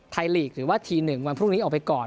ลีกหรือว่าที๑วันพรุ่งนี้ออกไปก่อน